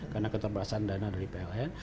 karena keterbatasan dana dari pln